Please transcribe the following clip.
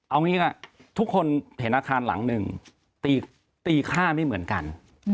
เอางี้ก็ทุกคนเห็นอาคารหลังหนึ่งตีค่าไม่เหมือนกัน